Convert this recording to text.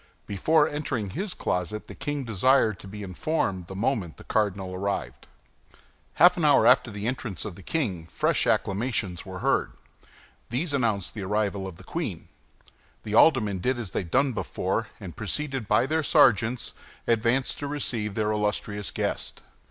Before entering his closet the king desired to be informed the moment the cardinal arrived. Half an hour after the entrance of the king, fresh acclamations were heard; these announced the arrival of the queen. The aldermen did as they had done before, and preceded by their sergeants, advanced to receive their illustrious guest.